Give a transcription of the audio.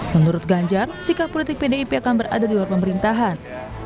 menurut ganjar sikap politik pdip akan berada di luar pemerintahan